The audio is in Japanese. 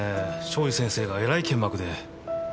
庄司先生がえらい剣幕で。